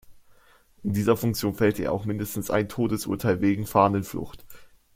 In dieser Funktion fällte er auch mindestens ein Todesurteil, wegen Fahnenflucht.